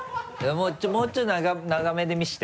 もうちょい長めで見せて。